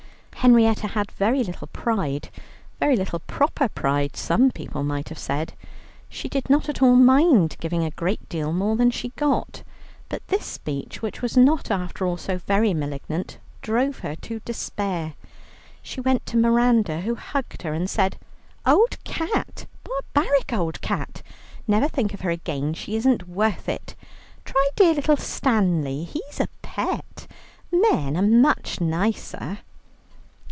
Henrietta had very little pride, very little proper pride some people might have said; she did not at all mind giving a great deal more than she got. But this speech, which was not, after all, so very malignant, drove her to despair. She went to Miranda, who hugged her, and said: "Old cat! barbaric old cat! Never think of her again, she isn't worth it. Try dear little Stanley, he's a pet; men are much nicer."